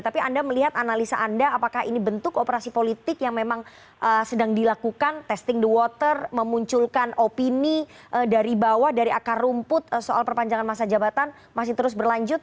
tapi anda melihat analisa anda apakah ini bentuk operasi politik yang memang sedang dilakukan testing the water memunculkan opini dari bawah dari akar rumput soal perpanjangan masa jabatan masih terus berlanjut